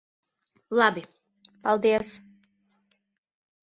Labi. Paldies.